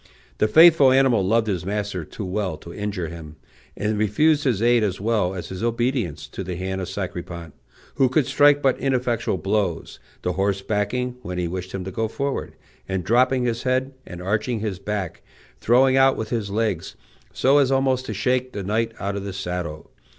The faithful animal loved his master too well to injure him, and refused his aid as well as his obedience to the hand of Sacripant, who could strike but ineffectual blows, the horse backing when he wished him to go forward, and dropping his head and arching his back, throwing out with his legs, so as almost to shake the knight out of the saddle.